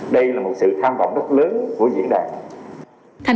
đây là một sự tham vọng rất lớn của diễn đàn